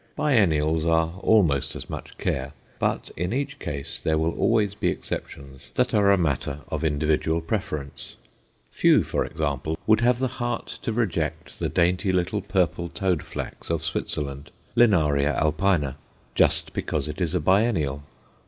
Biennials are almost as much care, but in each case there will always be exceptions that are a matter of individual preference. Few, for example, would have the heart to reject the dainty little purple toadflax of Switzerland (Linaria alpina), just because it is a biennial.